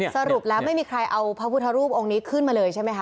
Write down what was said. สรุปแล้วไม่มีใครเอาพระพุทธรูปองค์นี้ขึ้นมาเลยใช่ไหมคะ